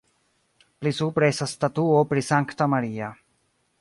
Pli supre estas statuo pri Sankta Maria.